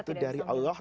itu dari allah